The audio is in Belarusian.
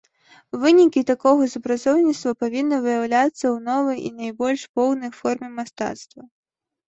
Вынікі такога супрацоўніцтва павінны выяўляцца ў новай і найбольш поўнай форме мастацтва.